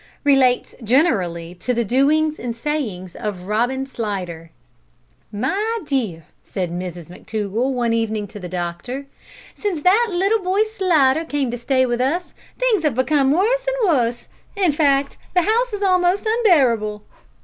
RELATES GENERALLY TO THE DOINGS AND SAYINGS OF ROBIN SLIDDER. "My dear," said Mrs McTougall one evening to the doctor, "since that little boy Slidder came to stay with us things have become worse and worse; in fact, the house is almost unbearable."